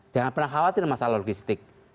jangan pernah khawatir masalah logistik